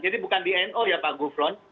jadi bukan di no ya pak gufron